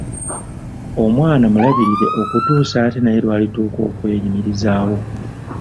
Omwana mulabirire okutuusa ate naye lw’alituuka okweyimirizaawo.